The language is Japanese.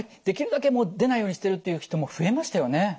できるだけもう出ないようにしてる」っていう人も増えましたよね。